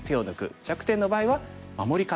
弱点の場合は守り方を考える。